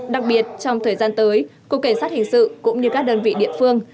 đặc biệt trong thời gian tới cục cảnh sát hình sự cũng như các đơn vị địa phương